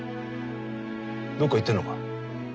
どっか行ってるのか。